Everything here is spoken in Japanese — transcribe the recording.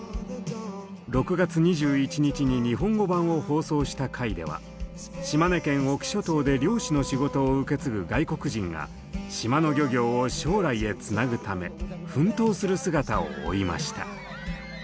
６月２１日に日本語版を放送した回では島根県隠岐諸島で漁師の仕事を受け継ぐ外国人が島の漁業を将来へつなぐため奮闘する姿を追いました。